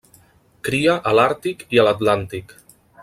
Cria a l'Àrtic i a l'Atlàntic.